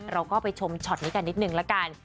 เราก็ไปชมช็อตนี้กันนิดนึงละกัน